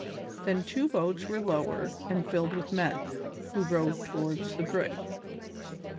Then two boats were lowered and filled with men, who rowed towards the brig.